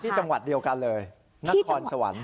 จังหวัดเดียวกันเลยนครสวรรค์